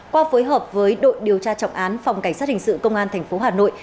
qua phối hợp với đội điều tra trọng án phòng cảnh sát hình sự công an tp hà nội